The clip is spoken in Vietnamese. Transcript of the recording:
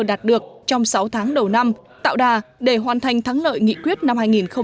đạt được trong sáu tháng đầu năm tạo đà để hoàn thành thắng lợi nghị quyết năm hai nghìn hai mươi